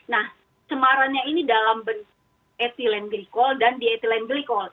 nah cemarannya ini dalam bentuk etilen glikol dan dietilen glikol